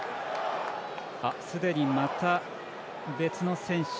すでに、また別の選手。